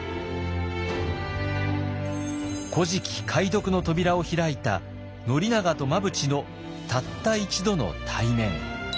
「古事記」解読の扉を開いた宣長と真淵のたった一度の対面。